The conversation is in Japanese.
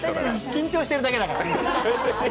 緊張してるだけだから。